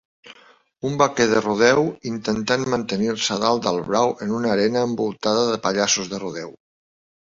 Un vaquer de rodeo intentant mantenir-se dalt del brau en una arena envoltada de pallassos de rodeo.